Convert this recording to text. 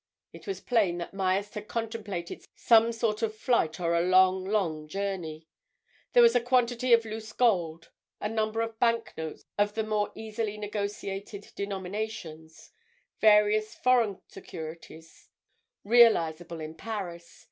It was plain that Myerst had contemplated some sort of flight or a long, long journey. There was a quantity of loose gold; a number of bank notes of the more easily negotiated denominations; various foreign securities, realizable in Paris.